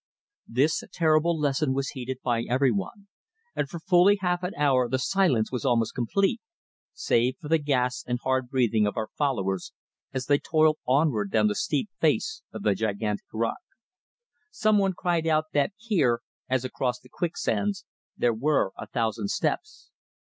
This terrible lesson was heeded by everyone, and for fully half an hour the silence was almost complete, save for the gasps and hard breathing of our followers as they toiled onward down the steep face of the gigantic rock. Someone cried out that here, as across the quicksands, there were a thousand steps.